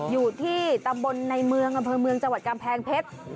อยู่ที่ตำบลในเมืองอำเภอเมืองจังหวัดกำแพงเพชร